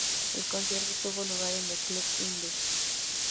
El concierto tuvo lugar en el Club Hindú.